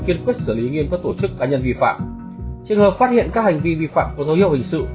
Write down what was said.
kiên quyết xử lý nghiêm các tổ chức cá nhân vi phạm trường hợp phát hiện các hành vi vi phạm có dấu hiệu hình sự